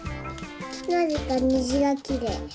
なぜかにじがきれい。